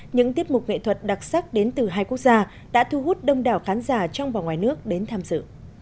những tiết mục nghệ thuật đặc sắc đến từ hai quốc gia đã thu hút đông đảo khán giả trong và ngoài nước đến tham dự